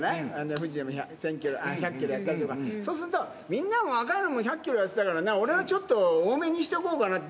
フジでも１００キロやったりとか、そうすると、みんなも若いもんが１００キロやってたからな、俺はちょっと多めにしておこうかなと。